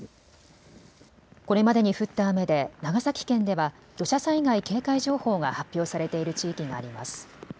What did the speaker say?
これまでに降った雨で長崎県では土砂災害警戒情報が発表されている地域があります。